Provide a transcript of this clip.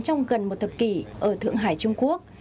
trong gần một thập kỷ ở thượng hải trung quốc